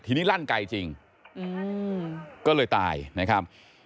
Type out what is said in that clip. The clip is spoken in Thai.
ทีนี้ลั่นไกลจริงก็เลยตายนะครับ